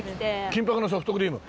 金箔のソフトクリーム。